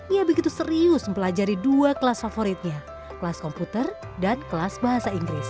ia begitu serius mempelajari dua kelas favoritnya kelas komputer dan kelas bahasa inggris